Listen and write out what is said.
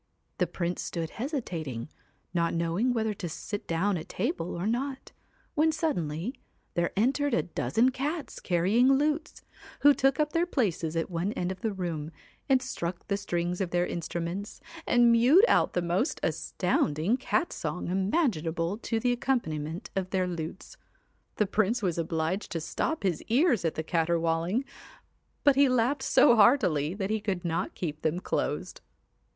The Prince stood hesitating, not knowing whether to sit down at table or not, when suddenly there entered a dozen cats carrying lutes, who took up their places at one end of the room, and struck the strings of their instruments, and mewed out the most astounding cat song imaginable to the accompaniment of their lutes. The Prince was obliged to stop his ears at the caterwauling, but he laughed so heartily that he could not keep them closed.